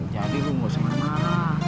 jadi lu gak usah marah marah